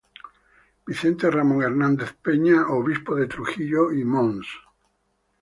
Vicente Ramón Hernández Peña, Obispo de Trujillo, y Mons.